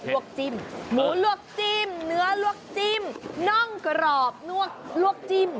วกจิ้มหมูลวกจิ้มเนื้อลวกจิ้มน่องกรอบลวกจิ้ม